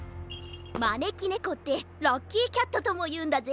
まねきねこってラッキーキャットともいうんだぜ。